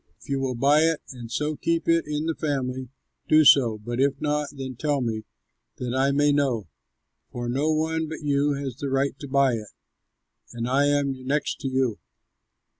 If you will buy it and so keep it in the family, do so; but if not, then tell me, that I may know; for no one but you has the right to buy it, and I am next to you."